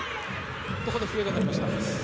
ここで笛が鳴りました。